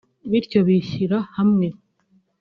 bityo bishyira hamwe